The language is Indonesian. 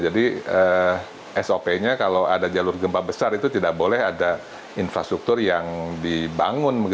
jadi sop nya kalau ada jalur gempa besar itu tidak boleh ada infrastruktur yang dibangun